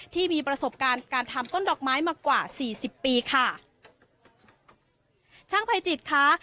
ที่มีประสบการณ์การทำต้นดอกไม้มากว่าสี่สิบปีค่ะช่างภัยจิตค่ะ